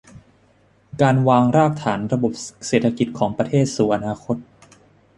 การวางรากฐานระบบเศรษฐกิจของประเทศสู่อนาคต